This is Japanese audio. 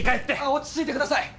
落ち着いてください。